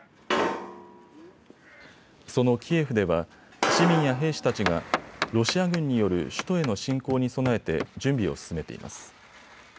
そのキエフでは市民や兵士たちがロシア軍による首都への侵攻に備えて準備を進めています。